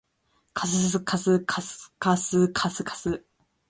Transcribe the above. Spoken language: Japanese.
ｋｓｓｋｓｋｋｓｋｓｋｓ